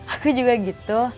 aku juga gitu